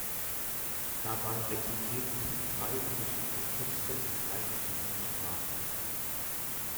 Dabei rezitierten sie drei unterschiedliche Texte in drei verschiedenen Sprachen.